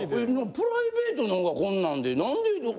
プライベートのがこんなんで何で。